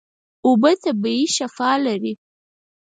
اوبه طبیعي شفاء لري.